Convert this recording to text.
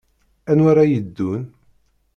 Anwa ara yeddun?